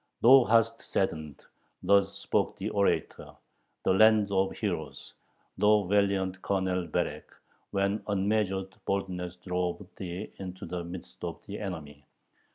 Thou hast saddened thus spoke the orator the land of heroes, thou valiant Colonel Berek, when unmeasured boldness drove thee into the midst of the enemy....